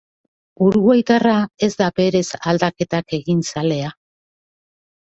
Uruguaitarra ez da berez aldaketak egin zalea.